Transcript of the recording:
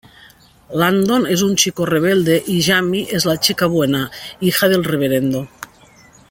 Landon es un chico rebelde y Jamie es la chica buena, hija del reverendo.